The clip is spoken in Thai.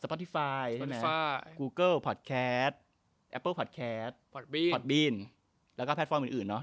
ใช่ไหมกูเกิลแอปเปิ้ลแล้วก็แพลตฟอร์มอื่นอื่นเนอะ